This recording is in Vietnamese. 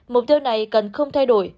mục tiêu này cần không thay đổi